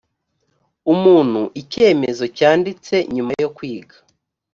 umuntu icyemezo cyanditse nyuma yo kwiga